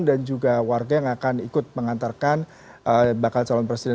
dan juga warga yang akan ikut mengantarkan bakal calon presiden